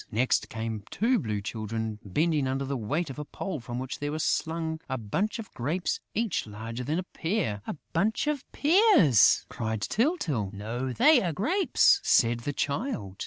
Next came two Blue Children bending under the weight of a pole from which was slung a bunch of grapes each larger than a pear. "A bunch of pears!" cried Tyltyl. "No, they are grapes," said the Child.